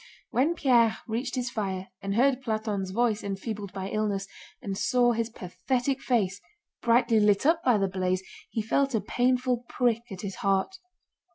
When Pierre reached the fire and heard Platón's voice enfeebled by illness, and saw his pathetic face brightly lit up by the blaze, he felt a painful prick at his heart.